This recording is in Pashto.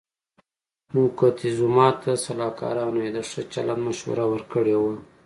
موکتیزوما ته سلاکارانو یې د ښه چلند مشوره ورکړې وه.